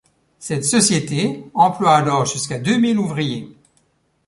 Cette société emploie alors jusqu'à deux mille ouvriers.